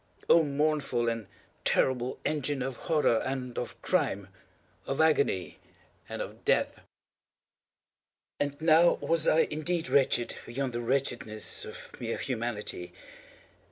—oh, mournful and terrible engine of Horror and of Crime—of Agony and of Death! And now was I indeed wretched beyond the wretchedness of mere Humanity.